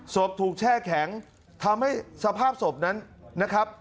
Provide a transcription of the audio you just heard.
ศพถูกแช่แข็งทำให้สภาพศพนั้นนะครับ